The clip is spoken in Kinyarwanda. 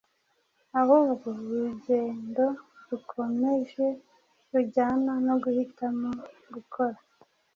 ahubwo urugendo rukomeje rujyana no guhitamo gukora